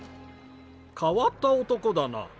変わった男だな。